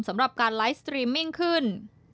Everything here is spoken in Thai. สำหรับการไลฟ์สตรีมมิ่งขึ้น